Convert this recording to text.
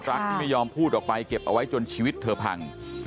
ที่ไม่ยอมพูดออกไปเก็บเอาไว้จนชีวิตเธอพัง